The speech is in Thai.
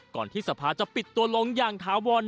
ที่สภาจะปิดตัวลงอย่างถาวร